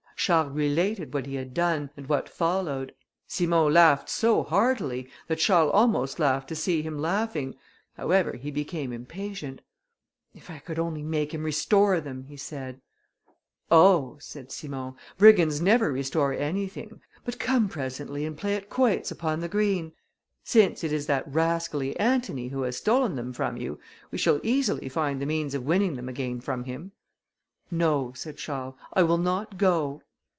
Charles related what he had done, and what followed; Simon laughed so heartily, that Charles almost laughed to see him laughing: however, he became impatient. "If I could only make him restore them," he said. "Oh," said Simon, "brigands never restore anything; but come presently and play at quoits upon the green. Since it is that rascally Antony who has stolen them from you, we shall easily find the means of winning them again from him." "No," said Charles, "I will not go."